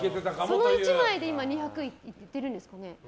その１枚で２００いってるんですかね。